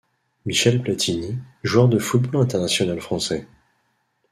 Michel Platini, joueur de football international français.